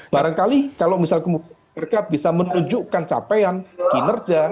barangkali kalau misalkan rk bisa menunjukkan capaian kinerja